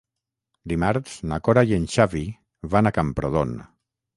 Dimarts na Cora i en Xavi van a Camprodon.